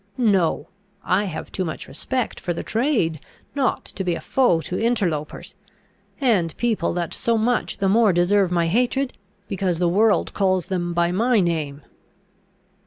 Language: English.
No; I have too much respect for the trade not to be a foe to interlopers, and people that so much the more deserve my hatred, because the world calls them by my name."